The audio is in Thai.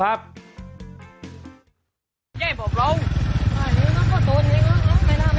เล่หากับผม